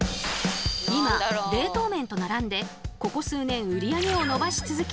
今冷凍麺と並んでここ数年売り上げを伸ばし続け